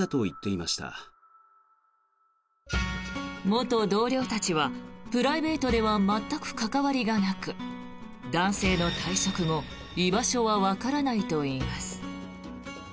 元同僚たちはプライベートでは全く関わりがなく男性の退職後居場所はわからないといいます。